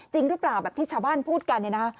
จริงหรือเปล่าแบบที่ชาวบ้านพูดกันเนี่ยนะ